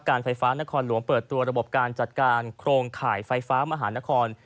ไฟฟ้านครหลวงเปิดตัวระบบการจัดการโครงข่ายไฟฟ้ามหานคร